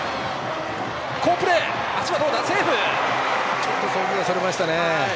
ちょっと送球がそれましたね。